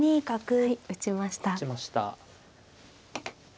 打ちました。